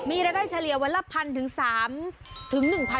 มีรายได้เฉลี่ยวันละ๑๐๐๐๑๓๐๐บาท